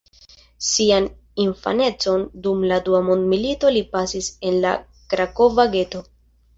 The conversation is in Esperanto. Sian infanecon dum la Dua Mondmilito li pasis en la Krakova geto.